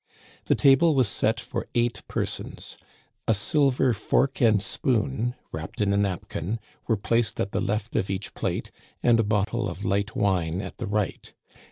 The table was set for eight persons. A silver fork and spoon, wrapped in a napkin, were placed at the left of each plate, and a bottle of light wine at the right.